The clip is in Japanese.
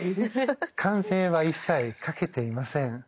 関税は一切かけていません。